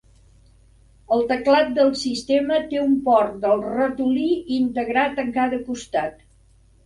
El teclat del sistema té un port del ratolí integrat en cada costat.